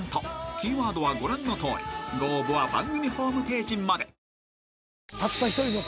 ［キーワードはご覧のとおりご応募は番組ホームページまで］